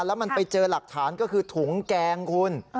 แล้วมันไปเจอหลักฐานก็คือถุงแกงคุณ